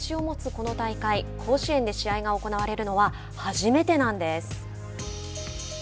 この大会甲子園で試合が行われるのは初めてなんです。